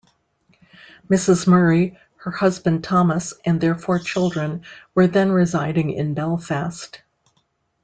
Mrs Murray, her husband Thomas, and their four children were then residing in Belfast.